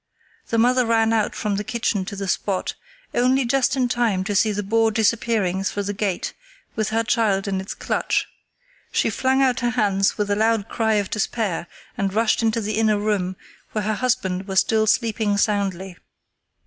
The mother ran out from the kitchen to the spot, only just in time to see the boar disappearing through the gate with her child in its clutch. She flung out her hands with a loud cry of despair and rushed into the inner room where her husband was still sleeping soundly.